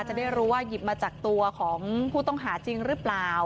จะได้รู้ว่าหยิบมาจากตัวของผู้ต้องหาจริงหรือเปล่า